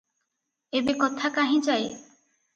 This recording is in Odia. ଏବେ କଥା କାହିଁ ଯାଏ?